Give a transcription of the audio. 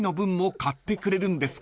買ってくれるんすか？